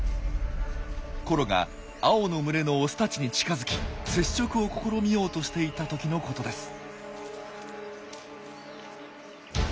コロが青の群れのオスたちに近づき接触を試みようとしていた時のことです。